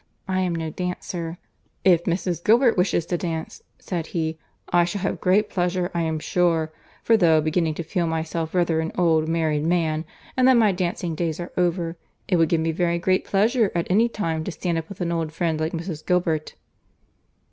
I am no dancer." "If Mrs. Gilbert wishes to dance," said he, "I shall have great pleasure, I am sure—for, though beginning to feel myself rather an old married man, and that my dancing days are over, it would give me very great pleasure at any time to stand up with an old friend like Mrs. Gilbert."